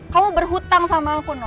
kamu berhutang sama aku